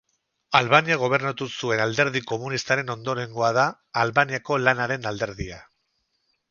Albania gobernatu zuen alderdi komunistaren ondorengoa da: Albaniako Lanaren Alderdia.